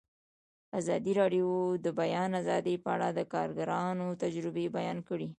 ازادي راډیو د د بیان آزادي په اړه د کارګرانو تجربې بیان کړي.